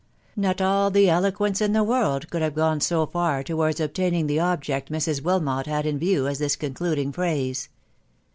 Not all the eloquence in the world could have gone so far towards obtaining the object Mrs. Wilmot had in view as this concluding phrase.